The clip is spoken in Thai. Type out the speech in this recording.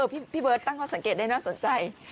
พี่เบิร์ตตั้งข้อสังเกตได้น่าสนใจ